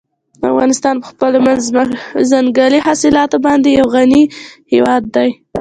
افغانستان په خپلو ځنګلي حاصلاتو باندې یو غني هېواد دی.